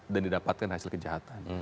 dan didapatkan hasil kejahatan